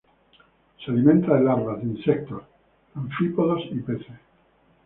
Se alimenta de larvas de insectos, anfípodos y peces.